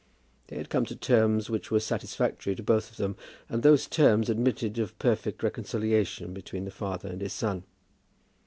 They had come to terms which were satisfactory to both of them, and those terms admitted of perfect reconciliation between the father and his son.